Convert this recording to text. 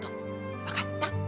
わかった？